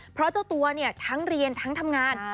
เพราะเจ้าตัวเนี่ยทั้งเรียนทั้งทำงาน